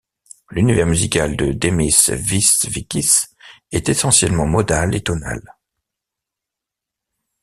L’univers musical de Demis Visvikis est essentiellement modal et tonal.